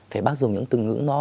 phải bác dùng những từ ngữ nó